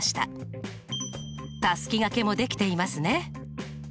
たすきがけもできていますね。